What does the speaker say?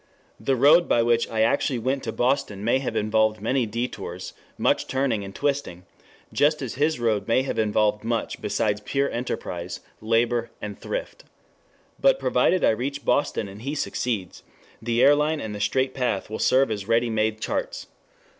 The road by which I actually went to Boston may have involved many detours, much turning and twisting, just as his road may have involved much besides pure enterprise, labor and thrift. But provided I reach Boston and he succeeds, the airline and the straight path will serve as ready made charts.